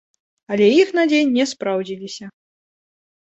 Але іх надзеі не спраўдзіліся.